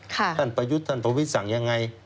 ค่ะท่านประยุทธ์ท่านโทษฟิศสั่งยังไง